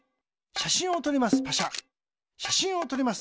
しゃしんをとります。